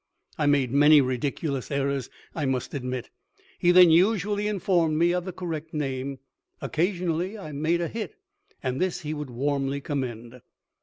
I made many ridiculous errors, I must admit. He then usually informed me of the correct name. Occasionally I made a hit and this he would warmly commend.